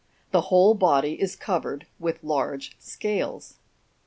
The whole body is covered with large scales.